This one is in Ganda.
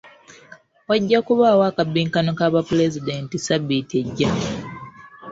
Wajja kubaawo akabbinkano ka ba pulezidenti ssabbiiti ejja.